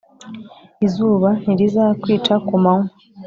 Izuba ntirizakwica kumanywa